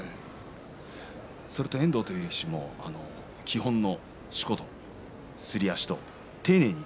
それと遠藤という力士基本のしことすり足を丁寧に。